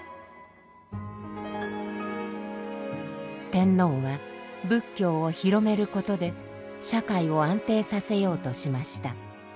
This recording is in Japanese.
天皇は仏教を広めることで社会を安定させようとしました。